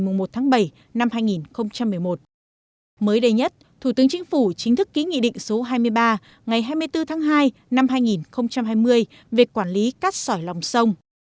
mới đây nhất thủ tướng chính phủ chính thức ký nghị định số hai mươi ba ngày hai mươi bốn tháng hai năm hai nghìn hai mươi về quản lý cát sỏi lòng sông